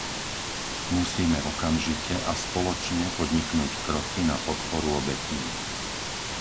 Musíme okamžite a spoločne podniknúť kroky na podporu obetí.